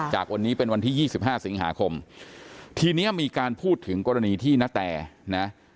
จากวันนี้เป็นวันที่๒๕สิงหาคมทีนี้มีการพูดถึงกรณีที่ณแตนะ